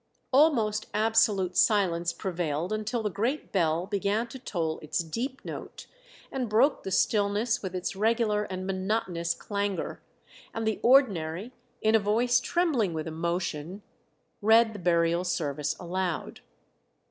Almost absolute silence prevailed until the great bell began to toll its deep note, and broke the stillness with its regular and monotonous clangour, and the ordinary, in a voice trembling with emotion, read the burial service aloud.